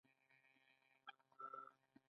هیواد څنګه پاک وساتو؟